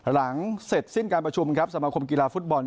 หลังเสร็จสิ้นการประชุมครับสมาคมกีฬาฟุตบอล